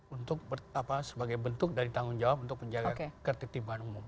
untuk sebagai bentuk dari tanggung jawab untuk menjaga ketertitiban umum